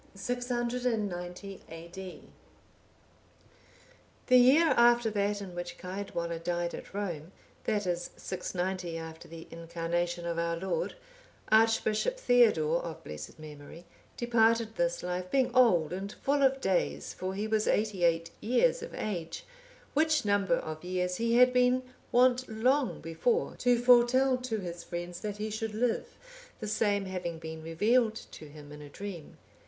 [690 A.D.] The year after that in which Caedwalla died at Rome, that is, 690 after the Incarnation of our Lord, Archbishop Theodore, of blessed memory, departed this life, being old and full of days, for he was eighty eight years of age; which number of years he had been wont long before to foretell to his friends that he should live, the same having been revealed to him in a dream.